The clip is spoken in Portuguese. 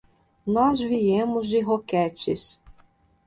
Nós viemos de Roquetes.